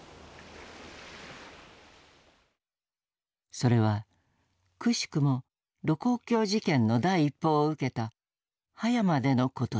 それはくしくも盧溝橋事件の第一報を受けた葉山でのことだった。